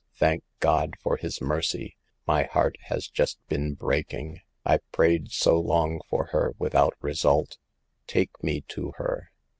Thank God for His mercy ; my heart has just been breaking. I've prayed so long for her without result ; take me to her.'